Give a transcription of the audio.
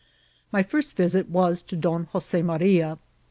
My first visit was to Don Jose Maria.